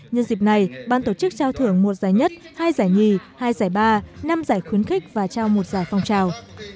nhân dịp này ban tổ chức trao thưởng một giải nhất hai giải nhì hai giải ba năm giải khuyến khích và trao một giải phong trào